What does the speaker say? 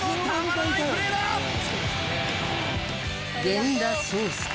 源田壮亮。